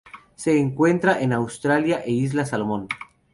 Se encuentra en Australia e Islas Salomón.